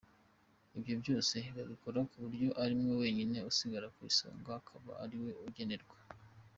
Ibyo byose akabikora ku buryo ariwe wenyine usigara ku isonga akaba ariwe uregerwa.